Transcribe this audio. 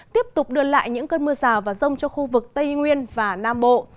tiếp tục đưa lại những cơn mưa rào và rông cho khu vực tây nguyên và nam bộ